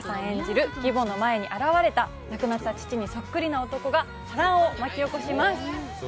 演じる義母の前に現れた亡くなった父にそっくりな男が波乱を巻き起こします